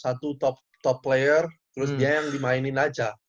satu top top player terus dia yang dimainin aja